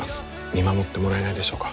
見守ってもらえないでしょうか？